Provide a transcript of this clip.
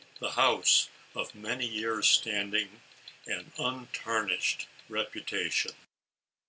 the house of many years standing and untarnished reputation.